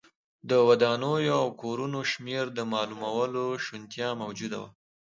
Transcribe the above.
د ودانیو او کورونو شمېر د معلومولو شونتیا موجوده وه.